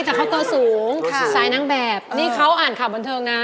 แต่เขาเกิดสูงไกลร้ายและที่สายนางแบบนี้เขาอ่านข่าวบนเทิงนะ